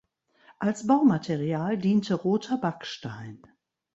Als Baumaterial diente roter Backstein.